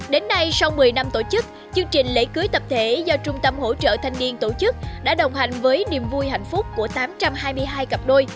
đến nay sau một mươi năm tổ chức chương trình lễ cưới tập thể do trung tâm hỗ trợ thanh niên tổ chức đã đồng hành với niềm vui hạnh phúc của tám trăm hai mươi hai cặp đôi